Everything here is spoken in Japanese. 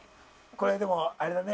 これでもあれだね。